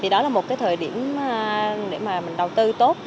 đó là một thời điểm để mà mình đầu tư tốt